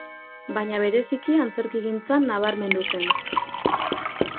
Baina bereziki antzerkigintzan nabarmendu zen.